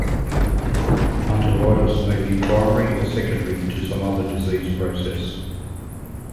Arteritis may be primary or secondary to some other disease process.